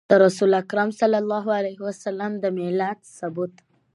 د رسول اکرم صلی الله عليه وسلم د ميلاد ثبوت